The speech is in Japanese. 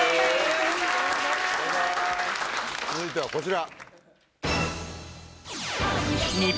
続いてはこちら。